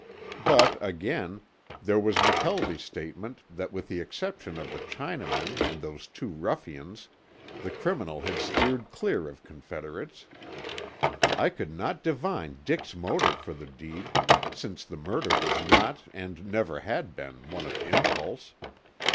But, again, there was McKelvie's statement that with the exception of the Chinamen and those two ruffians, the criminal had steered clear of confederates. I could not divine Dick's motive for the deed, since the murder was not and never had been, one of impulse.